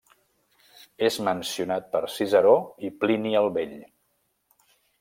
És mencionat per Ciceró i Plini el Vell.